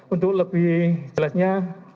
untuk lebih jelasnya